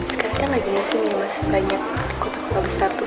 sekarang kan lagi di sini mas banyak kota kota besar tuh